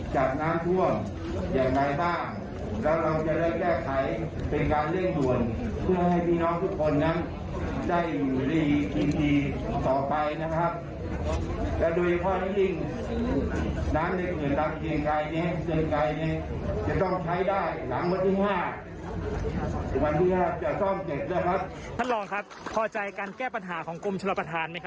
จะต้องใช้ได้หลังวันที่๕